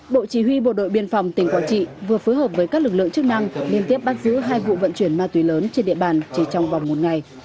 bộ chỉ huy bộ đội biên phòng tỉnh quảng trị vừa phối hợp với các lực lượng chức năng liên tiếp bắt giữ hai vụ vận chuyển ma túy lớn trên địa bàn chỉ trong vòng một ngày